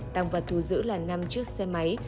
tăng vật thù giữ là năm chiếc xe máy